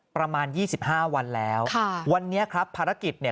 ประมาณ๒๕วันแล้วค่ะวันนี้ครับภารกิจเนี่ย